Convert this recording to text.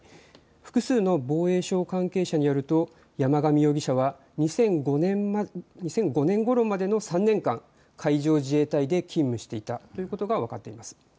複数の防衛省関係者によると山上容疑者は２００５年ごろまでの３年間、海上自衛隊で勤務していたということが分かっています。